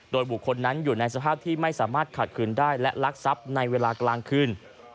โดยบุคคลนั้นอยู่ในสภาพที่ไม่สามารถขัดขืนได้และลักทรัพย์ในเวลากลางคืน